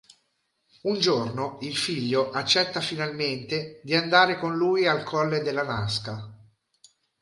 Un giorno il figlio accetta finalmente di andare con lui al Colle della Nasca.